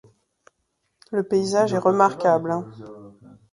Le paysage est remarquable.